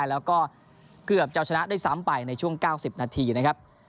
แล้วก็เกือบจะชนะด้วยซ้ำไปในช่วง๙๐นาทีนะครับ